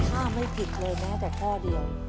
ถ้าไม่ผิดเลยแม้แต่ข้อเดียว